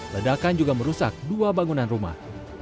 ledakan juga merusak dua bangunan rumah